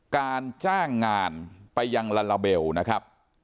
การจ้างงานไปยังลาลาเบลนะครับ